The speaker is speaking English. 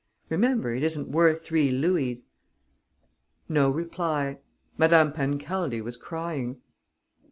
Remember, it isn't worth three louis." No reply. Madame Pancaldi was crying.